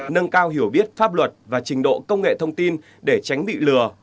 nâng cao hiểu biết pháp luật và trình độ công nghệ thông tin để tránh bị lừa